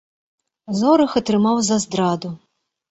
Зорах атрымаў за здраду.